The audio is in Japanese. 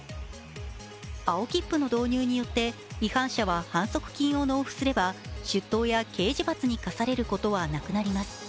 青切符の導入によって違反者は反則金を納付すれば出頭や刑事罰に科されることはなくなります。